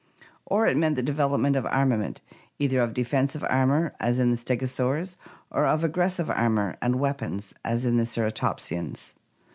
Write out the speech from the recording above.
Or it meant the development of armament, either of defensive armor as in the stegosaurs, or of aggressive armor and weapons as in the ceratopsians.